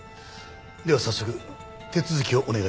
では早速手続きをお願い致します。